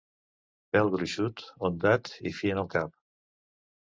Pèl gruixut, ondat i fi en el cap.